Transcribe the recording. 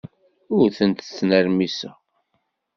Ur tent-ttnermiseɣ.